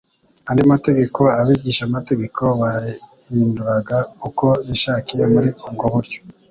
Andi mategeko, abigishamategeko bayahinduraga uko bishakiye muri ubwo buryo.